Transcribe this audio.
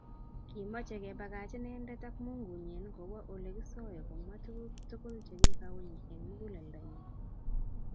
Kimochei kebakach inendet ak Mungunyi kowo Ole kisoe komwa tuguk tugul chekikauny eng muguleldonyi